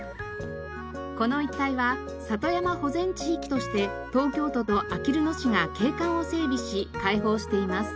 この一帯は里山保全地域として東京都とあきる野市が景観を整備し開放しています。